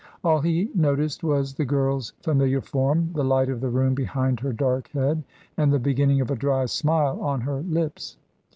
All he noticed was the girl's familiar form, the light of the room behind her dark head, and the beginning of a dry smile on her lips.